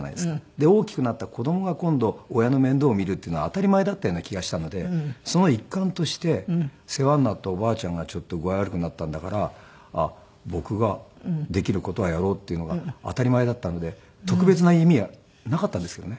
で大きくなった子供が今度親の面倒を見るっていうのは当たり前だったような気がしたのでその一環として世話になったおばあちゃんがちょっと具合悪くなったんだから僕ができる事はやろうっていうのが当たり前だったので特別な意味はなかったんですけどね。